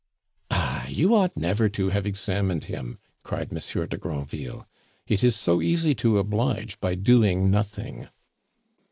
"Ah, you ought never to have examined him!" cried Monsieur de Granville; "it is so easy to oblige by doing nothing."